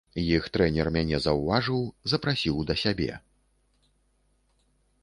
Іх трэнер мяне заўважыў, запрасіў да сябе.